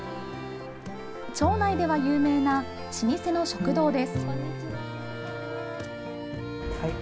町内では有名な老舗の食堂です。